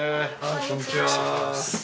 こんにちは。